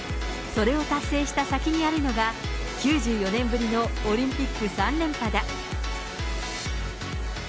それを達成した先にあるのが、９４年ぶりのオリンピック３連覇だ。